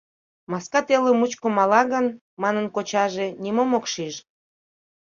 «Маска теле мучко мала гын, — манын кочаже, — нимом ок шиж.